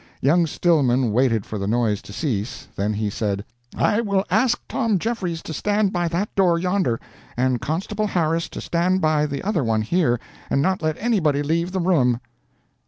Young Stillman waited for the noise to cease; then he said, "I will ask Tom Jeffries to stand by that door yonder, and Constable Harris to stand by the other one here, and not let anybody leave the room.